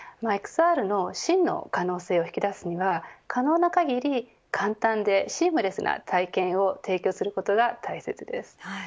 ＸＲの真の可能性を引き出すには可能な限り、簡単でシームレスな体験を提供することが大切です。